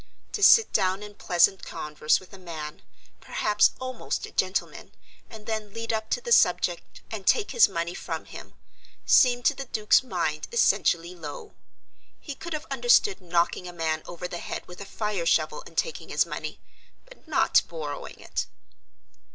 To sit down in pleasant converse with a man, perhaps almost a gentleman, and then lead up to the subject and take his money from him, seemed to the Duke's mind essentially low. He could have understood knocking a man over the head with a fire shovel and taking his money, but not borrowing it.